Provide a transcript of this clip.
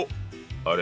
あれ？